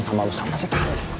sama kamu sampai sekarang